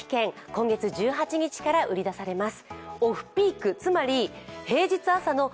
今月１８日から売り出されます。